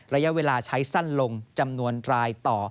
ระยะเวลาใช้สั้นลงจำนวนรายต่อ